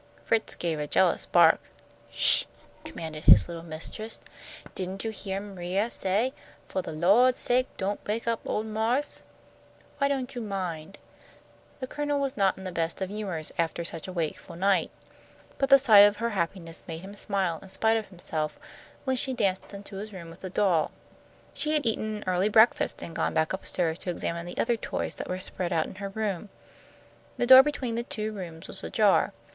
Fritz gave a jealous bark. "Sh!" commanded his little mistress. "Didn't you heah M'ria say, 'Fo' de Lawd's sake don't wake up ole Marse?' Why don't you mind?" The Colonel was not in the best of humours after such a wakeful night, but the sight of her happiness made him smile in spite of himself, when she danced into his room with the doll. She had eaten an early breakfast and gone back up stairs to examine the other toys that were spread out in her room. The door between the two rooms was ajar.